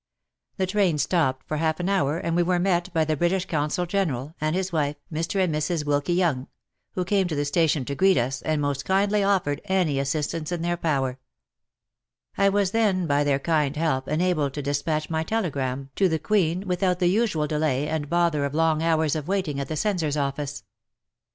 The train stopped for half an hour and we were met by the British Consul General and his wife (Mr. and Mrs. Wilkie Young), who came to the station to greet us, and most kindly offered any assistance in their power. I was then by their kind help enabled to dispatch my telegram to The Princesses Eudoxie and Nadezda of Bulgaria, WAR AND WOMEN 69 the Queen without the usual delay and bother of long hours of waiting at the Censor's office.